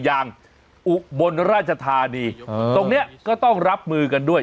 อุบลราชธานีตรงนี้ก็ต้องรับมือกันด้วย